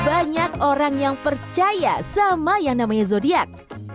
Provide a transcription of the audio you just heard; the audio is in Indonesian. banyak orang yang percaya sama yang namanya zodiac